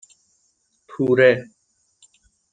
پوره